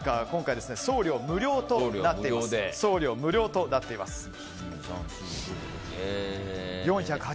今回は送料無料となっています。